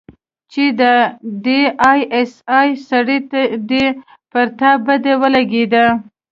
چې دا د آى اس آى سړى دى پر تا بده ولګېده.